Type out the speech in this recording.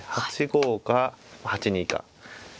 ８五か８二か。